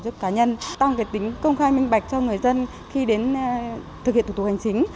các tổ chức cá nhân tăng tính công khai minh bạch cho người dân khi đến thực hiện thủ tục hành chính